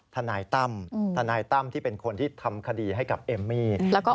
ทนายตั้มทนายตั้มที่เป็นคนที่ทำคดีให้กับเอมมี่